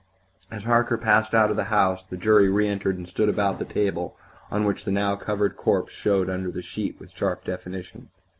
As Harker passed out of the house the jury reentered and stood about the table on which the now covered corpse showed under the sheet with sharp definition.